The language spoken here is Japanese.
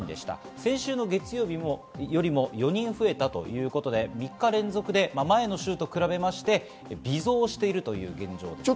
先週の月曜日よりも４人増えたということで３日連続で前の週と比べまして、微増しているという現状です。